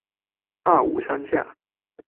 大武山下